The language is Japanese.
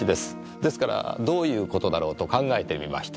ですからどういうことだろうと考えてみました。